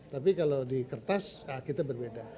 tapi kalau di kertas kita berbeda